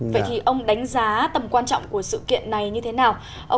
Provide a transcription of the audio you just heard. vậy thì ông đánh giá tầm quan trọng của sự kiện này như thế nào